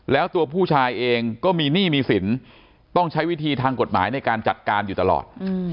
แล้วตัวผู้ชายเองก็มีหนี้มีสินต้องใช้วิธีทางกฎหมายในการจัดการอยู่ตลอด